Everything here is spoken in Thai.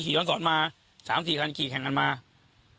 คิดว่าจะเล่นห้องรถงาน